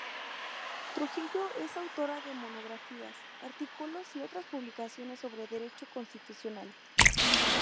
Trujillo es autora de monografías, artículos y otras publicaciones sobre Derecho Constitucional.